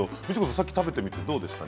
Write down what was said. さっき食べてみてどうでしたか？